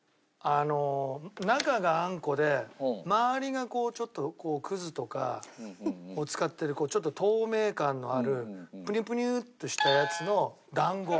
あの中があんこで周りがちょっとくずとかを使ってるちょっと透明感のあるプニュプニュとしたやつの団子。